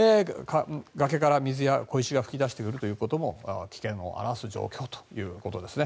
崖から水や小石が噴き出してくるということも危険を表す状況ということですね。